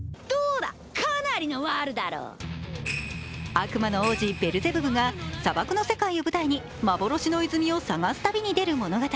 悪魔の王子ベルゼブブが砂漠の世界を舞台に幻の泉を探す旅に出る物語。